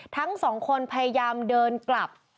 ทั้งสองคนพยายามเดินกลับ